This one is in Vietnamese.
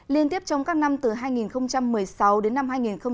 liên tiếp trong các năm từ hai nghìn một mươi sáu đến năm hai nghìn một mươi tám